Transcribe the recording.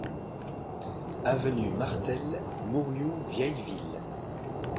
Avenue Martel, Mourioux-Vieilleville